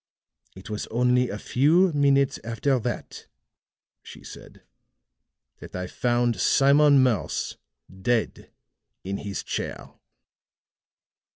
"It was only a few minutes after that," she said, "that I found Simon Morse dead in his chair.